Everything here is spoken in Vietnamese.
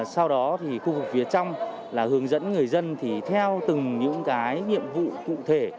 sau đó khu vực phía trong hướng dẫn người dân theo từng nhiệm vụ cụ thể